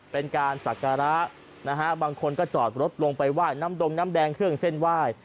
เป็นการสักการะนะฮะบางคนก็จอดรถลงไปไหว้น้ำดงน้ำแดงเครื่องเส้นไหว้